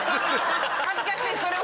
恥ずかしいそれは。